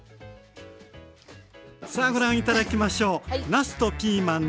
さあご覧頂きましょう。